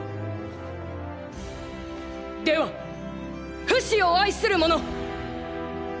ではフシを愛する者！